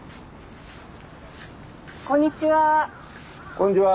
こんにちは。